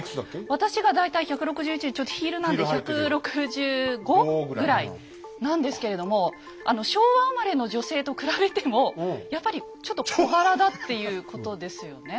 私が大体１６１でちょっとヒールなんで１６５？ぐらいなんですけれども昭和生まれの女性と比べてもやっぱりちょっと小柄だっていうことですよね。